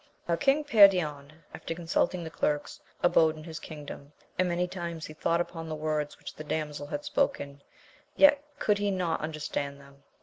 Now King Perion, after consulting the clerks, abode in his kingdom, and many times he thought upon the words which the damsel had spoken, yet could he not understand them.